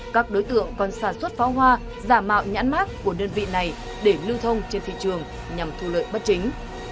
các đối tượng còn sản xuất pháo hoa giả mạo nhãn mát của đơn vị này để lưu thông trên thị trường nhằm thu lợi bất chính